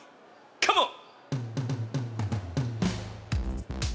カモン！